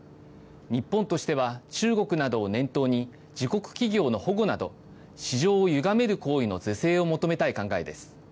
日本としては中国などを念頭に、自国企業の保護など、市場をゆがめる行為の是正を求めたい考えです。